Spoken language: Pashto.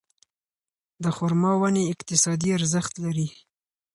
د خورما ونې اقتصادي ارزښت لري.